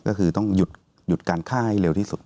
ก็คือต้องหยุดการฆ่าให้เร็วที่สุด